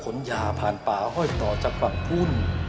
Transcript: คนยาผ่านปลาห้อยต่อจากบรรคูณ